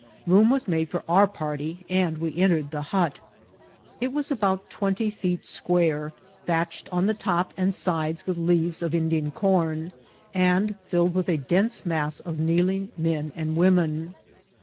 Boom was made for our party, and we entered the hut. It was about twenty feet square, thatched on the top and sides with leaves of Indian corn, and filled with a dense mass of kneeling men and women.